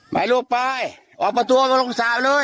ไปลูกไปออกมาตัวลงสาไปเลย